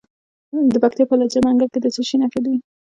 د پکتیا په لجه منګل کې د څه شي نښې دي؟